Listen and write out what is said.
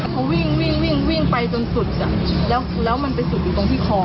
เขาวิ่งวิ่งวิ่งไปจนสุดแล้วมันไปสุดอยู่ตรงที่คอ